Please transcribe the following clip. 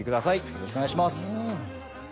よろしくお願いします。